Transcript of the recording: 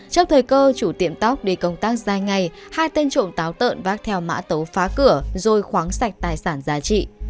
trước thời cơ chủ tiệm tóc đi công tác dài ngày hai tên trộm táo tợn vác theo mã tấu phá cửa rồi khoáng sạch tài sản giá trị